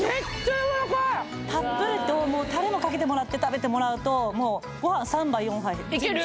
たっぷりとたれもかけてもらって食べてもらうといける！